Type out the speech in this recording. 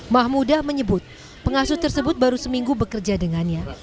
mahmudah menyebut pengasuh tersebut baru seminggu bekerja dengannya